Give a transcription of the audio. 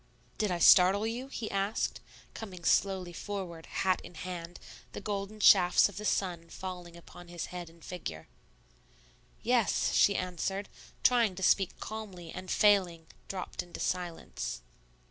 "Did I startle you?" he asked, coming slowly forward, hat in hand, the golden shafts of the sun falling upon his head and figure. "Yes," she answered, trying to speak calmly, and failing, dropped into silence.